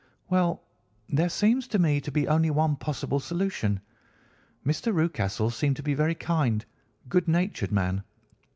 "Well, there seems to me to be only one possible solution. Mr. Rucastle seemed to be a very kind, good natured man.